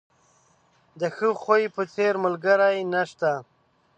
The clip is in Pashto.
د ښه خوی په څېر، ملګری نشته.